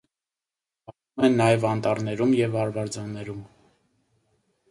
Ապրում են նաև անտառներում և արվարձաններում։